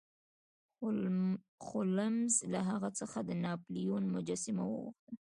هولمز له هغه څخه د ناپلیون مجسمه وغوښته.